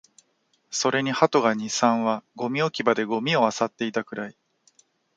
それに鳩が二、三羽、ゴミ置き場でゴミを漁っていたくらい